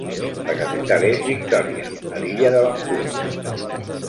La capital és Victòria, a l'illa de Vancouver.